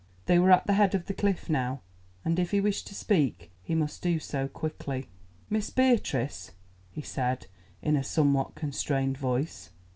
They were at the head of the cliff now, and if he wished to speak he must do so quickly. "Miss Beatrice," he said in a somewhat constrained voice.